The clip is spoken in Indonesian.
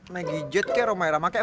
megijet kek romai rama kek